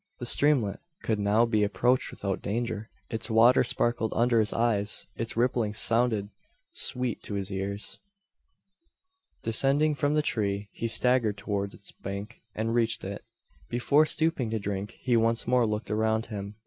The streamlet could now be approached without danger. Its water sparkled under his eyes its rippling sounded sweet to his ears. Descending from the tree, he staggered towards its bank, and reached it. Before stooping to drink, he once more looked around him.